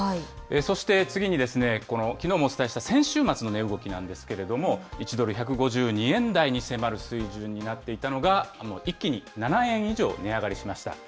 そして、次にきのうもお伝えした先週末の値動きなんですけれども、１ドル１５２円台に迫る水準になっていたのが、一気に７円以上値上がりしました。